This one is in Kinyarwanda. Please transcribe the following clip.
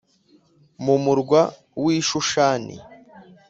mu murwa w i Shushani